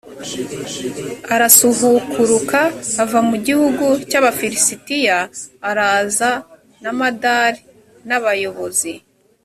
arasuhukuruka ava mu gihugu cy abafilisitiya araza na mdr n abayobozi